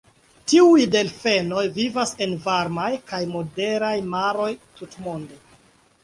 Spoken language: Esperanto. Tiuj delfenoj vivas en varmaj kaj moderaj maroj tutmonde.